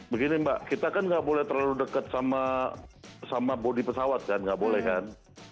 begini mbak kita kan nggak boleh terlalu dekat sama bodi pesawat kan nggak boleh kan